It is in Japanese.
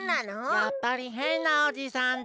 やっぱりへんなおじさんだ。